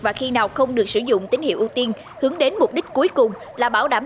và khi nào không được sử dụng tín hiệu ưu tiên hướng đến mục đích cuối cùng là bảo đảm